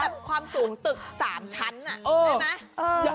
เอาความสูงตึก๓ชั้นน่ะใช่ไหม